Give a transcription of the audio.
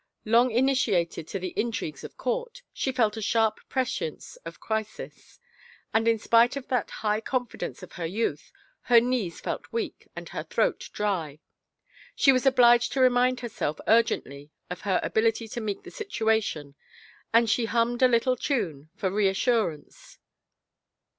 Long ini tiated to the intrigues of court, she felt a sharp prescience of crisis, and in spite of that high confidence of her youth, her knees felt weak and her throat dry. She was obliged to remind herself urgently of her ability to meet the situation and she hummed a little time for reassur ance.